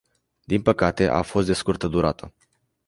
Din păcate, a fost de scurtă durată.